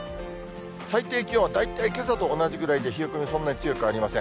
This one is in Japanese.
最低気温は大体けさと同じぐらいで冷え込み、そんなに強くありません。